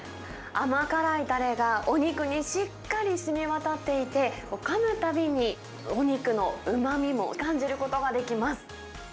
甘辛いたれがお肉にしっかりしみわたっていて、かむたびにお肉のうまみも感じることができます。